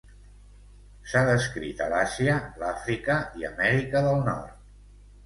S'ha descrit a l'Àsia, l'Àfrica i Amèrica del Nord.